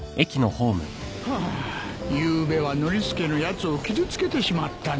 ハァゆうべはノリスケのやつを傷つけてしまったな。